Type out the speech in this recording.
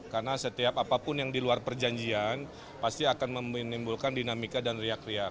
karena setiap apapun yang diluar perjanjian pasti akan meminimbulkan dinamika dan riak riak